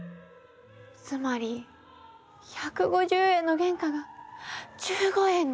つまり１５０円の原価が１５円に。